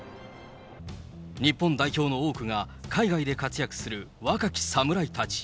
日本代表の多くが、海外で活躍する若き侍たち。